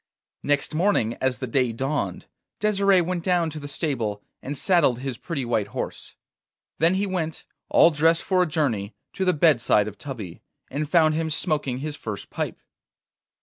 Next morning as the day dawned, Desire went down to the stable and saddled his pretty white horse. Then he went, all dressed for a journey, to the bedside of Tubby, and found him smoking his first pipe.